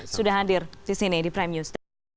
sudah hadir di sini di prime news